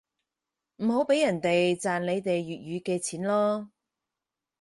唔好畀人哋賺你哋粵語嘅錢囉